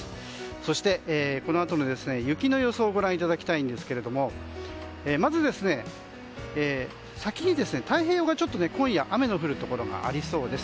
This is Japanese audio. そして、このあとの雪の予想をご覧いただきたいんですがまず、先に太平洋側今夜雨が降るところがありそうです。